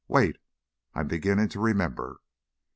Wait I'm beginning to remember."